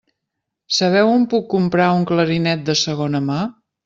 Sabeu on puc comprar un clarinet de segona mà?